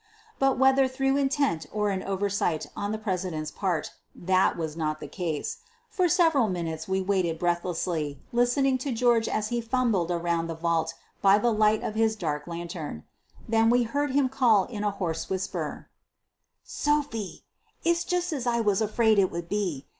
But, whether through intent or an oversight on the president's part, that was not the case. For several minutes we waited breathlessly listening to George as he fumbled around the vault by the light of his dark lantern. Then we heard him call in a hoarse whisper: "Sophie, it's just as I was afraid it would be.